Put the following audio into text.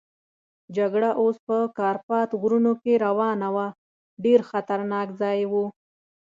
جګړه اوس په کارپات غرونو کې روانه وه، ډېر خطرناک ځای وو.